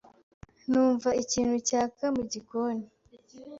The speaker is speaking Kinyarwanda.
Nunva ikintu cyaka mugikoni.